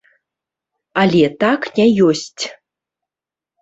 Але так не ёсць.